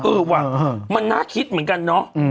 ว่ะมันน่าคิดเหมือนกันเนาะ